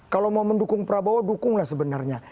kalau mau mendukung prabowo dukunglah sebenarnya